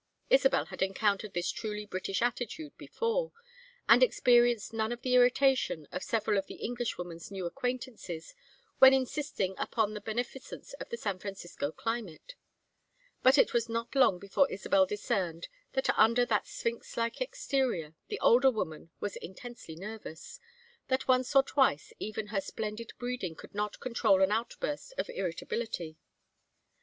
Isabel had encountered this truly British attitude before, and experienced none of the irritation of several of the Englishwoman's new acquaintances when insisting upon the beneficence of the San Francisco climate. But it was not long before Isabel discerned that under that sphinx like exterior the older woman was intensely nervous, that once or twice even her splendid breeding could not control an outburst of irritability.